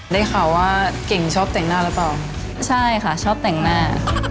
ได้ข่าวว่าเก่งชอบแต่งหน้าหรือเปล่าใช่ค่ะชอบแต่งหน้า